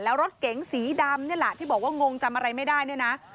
แล้วรถเก๋งสีดำนี่แหละที่บอกว่างงจำอะไรไม่ได้เนี่ยนะ